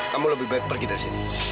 kamu lebih baik pergi dari sini